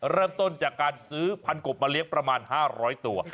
เริ่มต้นจากการซื้อพันกบมาเลี้ยงประมาณ๕๐๐ตัว